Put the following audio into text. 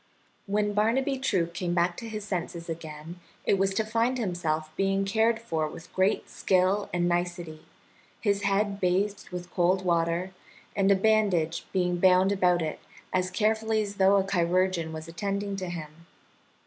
When Barnaby True came back to his senses again it was to find himself being cared for with great skill and nicety, his head bathed with cold water, and a bandage being bound about it as carefully as though a chirurgeon was attending to him.